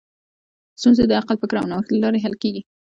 ستونزې د عقل، فکر او نوښت له لارې حل کېږي.